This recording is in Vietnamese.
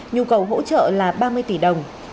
nhu cầu hỗ trợ là ba mươi tỷ đồng